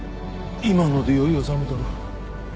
今ので酔いはさめたろ。